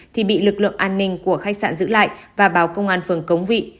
thì bị lực lượng an ninh của khách sạn giữ lại và báo công an phường cống vị